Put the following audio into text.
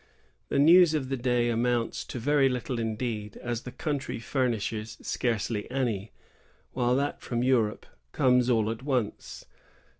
The news of the day amounts to very little indeed, as the country furnishes scarcely any, while that from Europe comes all at once.